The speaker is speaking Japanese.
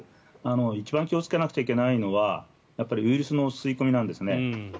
一番気をつけなくちゃいけないのはやっぱりウイルスの吸い込みなんですね。